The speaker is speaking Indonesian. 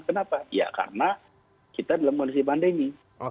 kenapa ya karena kita dalam kondisi pandemi